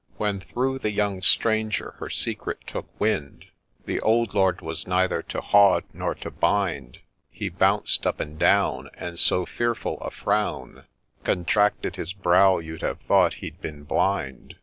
When, through ' the young stranger,' her secret took wind, The Old Lord was neither ' to haud nor to bind.' He bounced up and down, And so fearful a frown Contracted his brow, you'd have thought he'd been blind.